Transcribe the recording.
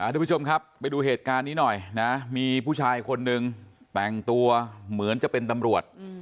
ทุกผู้ชมครับไปดูเหตุการณ์นี้หน่อยนะมีผู้ชายคนหนึ่งแต่งตัวเหมือนจะเป็นตำรวจ